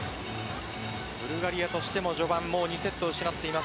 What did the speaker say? ブルガリアとしても序盤、もう２セット失っています。